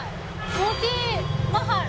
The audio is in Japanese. モティマハル。